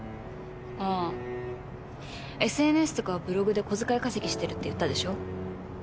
ああＳＮＳとかブログで小遣い稼ぎしてるって言ったでしょ。